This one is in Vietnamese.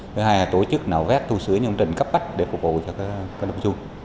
thứ hai là tổ chức nạo vét thu sửa những trình cấp bách để phục vụ cho đông sung